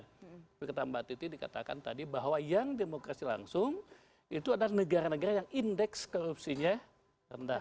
seperti kata mbak titi dikatakan tadi bahwa yang demokrasi langsung itu adalah negara negara yang indeks korupsinya rendah